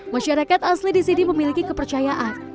masyarakat asli di sini memiliki kepercayaan